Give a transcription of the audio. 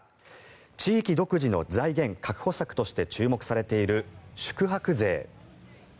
地域独自の財源確保策として注目されている宿泊税。